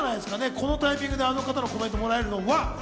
このタイミングでこの方のコメントもらえるのは。